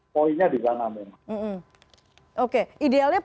poinnya di sana memang